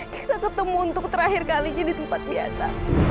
kita ketemu untuk terakhir kalinya di tempat biasa